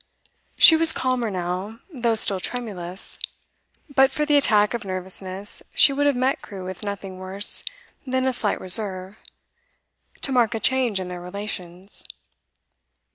She was calmer now, though still tremulous. But for the attack of nervousness, she would have met Crewe with nothing worse than a slight reserve, to mark a change in their relations.